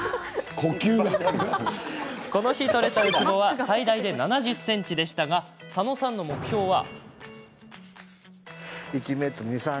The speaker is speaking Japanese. この日、取れたウツボは最大で７０ｃｍでしたが佐野さんの目標は？